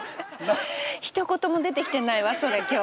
ひと言も出てきてないわそれ今日。